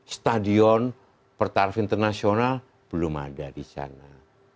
stadion pertaraf internasional belum ada di sana